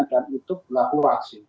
dan itu berlaku waksi